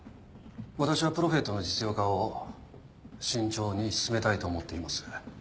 私はプロフェットの実用化を慎重に進めたいと思っています。